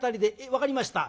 分かりました。